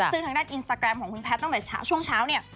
ซึ่งทางด้านอินสตาแกรมของคุณแพทย์ตั้งแต่ช่วงเช้าเนี่ย